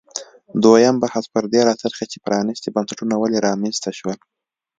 دویم بحث پر دې راڅرخي چې پرانیستي بنسټونه ولې رامنځته شول.